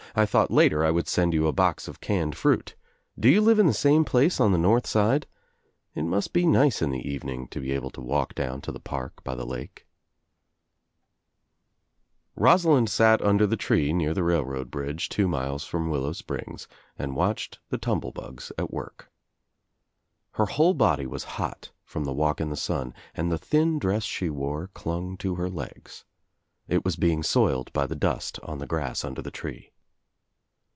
I thought later I would send you a box of canned fruit. Do you live in the same place on the North Side? It must be nice in the evening to be able to walk down to the park by the lake." 174 THE TRIUMPH OF THE EGG Rosalind sat under the tree near the railroad bridge two miles from Willow Springs and watched the tumble bugs at worlt. Her whole body was hot from the wallc in the sun and the thin dress she wore clung to her legs. It was being soiled by the dust on the grass under the tree.